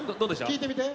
聞いてみて。